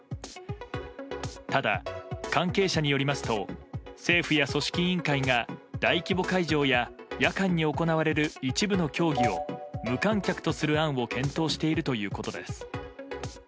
ただ、関係者によりますと政府や組織委員会が大規模会場や夜間に行われる一部の競技を無観客とする案を検討しているということです。